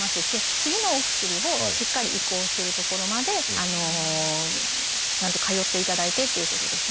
次のお薬をしっかり移行するところまでちゃんと通っていただいてっていうことですね。